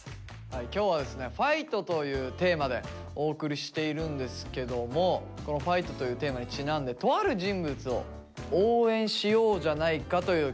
今日はですね「ファイト」というテーマでお送りしているんですけどもこの「ファイト」というテーマにちなんでとある人物を応援しようじゃないかという